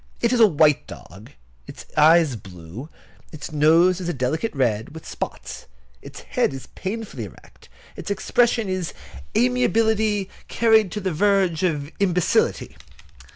It is a white dog. Its eyes blue. Its nose is a delicate red, with spots. Its head is painfully erect, its expression is amiability carried to verge of imbecility.